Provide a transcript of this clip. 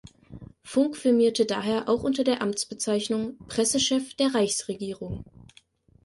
Funk firmierte daher auch unter der Amtsbezeichnung „Pressechef der Reichsregierung“.